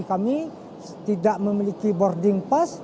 kami tidak memiliki boarding pass